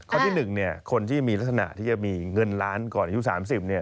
ที่๑เนี่ยคนที่มีลักษณะที่จะมีเงินล้านก่อนอายุ๓๐เนี่ย